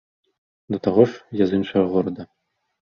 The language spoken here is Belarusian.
Да таго ж, я з іншага горада.